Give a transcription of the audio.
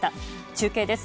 中継です。